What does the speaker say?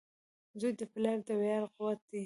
• زوی د پلار د ویاړ قوت وي.